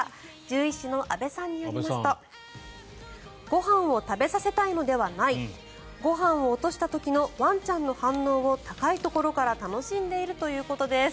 獣医師の阿部さんによりますとご飯を食べさせたいのではないご飯を落とした時のワンちゃんの反応を高いところから楽しんでいるということです。